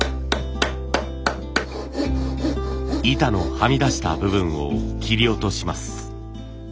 板のはみ出した部分を切り落とします。